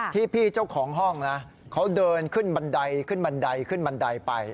พี่เจ้าของห้องนะเขาเดินขึ้นบันไดขึ้นบันไดขึ้นบันไดไป